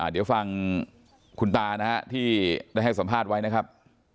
เดี๋ยวฟังคุณตานะฮะที่ได้ให้สัมภาษณ์ไว้นะครับ